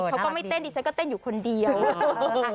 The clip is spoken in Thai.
เขาก็ไม่เต้นดิฉันก็เต้นอยู่คนเดียว